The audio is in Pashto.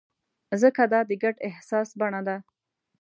ځکه دا د ګډ احساس بڼه ده.